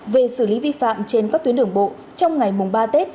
về xử lý vi phạm trên các tuyến đường bộ trong ngày mùng ba tết